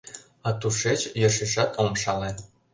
— А тушеч йӧршешат ом шале.